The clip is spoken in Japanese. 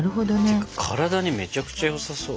ってか体にめちゃくちゃよさそう。